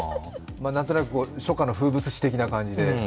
なんとなく初夏の風物詩的な感じで。